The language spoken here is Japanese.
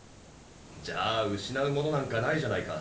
じゃあ失うものなんかないじゃないか。